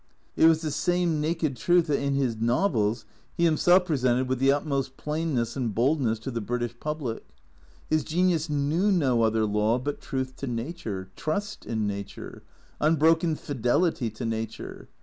It was the same naked truth that in his novels he himself pre sented with the utmost plainness and boldness to the British public. His genius knew no other law but truth to Nature, trust in Nature, unbroken fidelity to Nature.